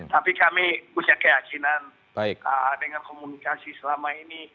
tapi kami punya keyakinan dengan komunikasi selama ini